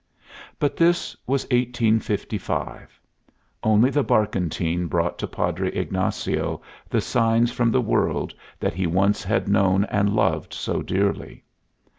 But this was 1855. Only the barkentine brought to Padre Ignacio the signs from the world that he once had known and loved so dearly.